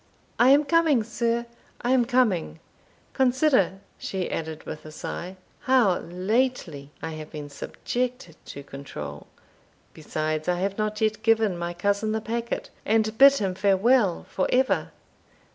"I am coming, sir, I am coming Consider," she added, with a sigh, "how lately I have been subjected to control besides, I have not yet given my cousin the packet, and bid him fare well for ever.